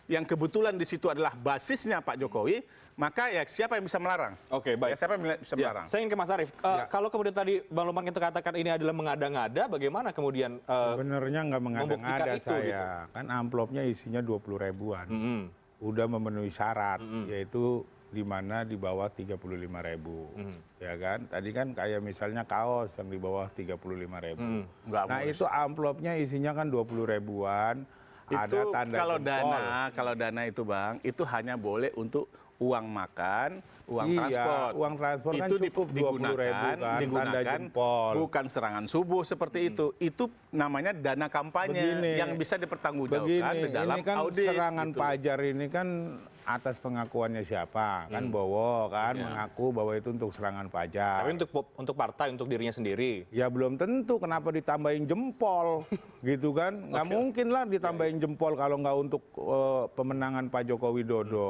yang kebetulan di situ adalah basisnya pak jokowi